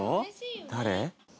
誰？